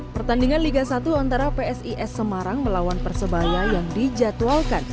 pertandingan liga satu antara psis semarang melawan persebaya yang dijadwalkan